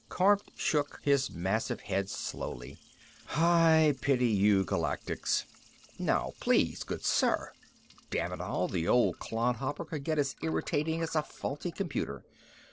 Kormt shook, his massive head, slowly, "I pity you Galactics!" "Now please, good sir " Damn it all, the old clodhopper could get as irritating as a faulty computer.